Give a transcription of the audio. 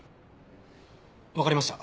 わかりました。